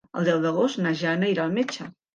El deu d'agost na Jana irà al metge.